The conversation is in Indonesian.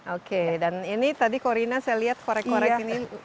oke dan ini tadi korina saya lihat korek korek ini